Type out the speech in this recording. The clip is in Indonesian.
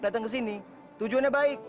datang ke sini tujuannya baik